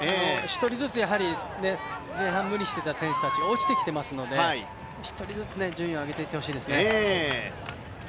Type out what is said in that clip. １人ずつ、前半、無理をしてた選手たちが落ちてきていますので１人ずつ順位を上げていってほしいですね。